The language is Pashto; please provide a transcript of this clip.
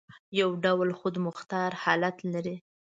یو ډول خودمختار حالت لري.